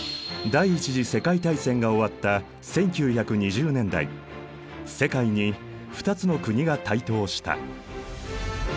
第一次世界大戦が終わった１９２０年代世界に２つの国が台頭した。